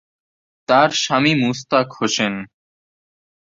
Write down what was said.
তার স্বামী মুশতাক হোসেন।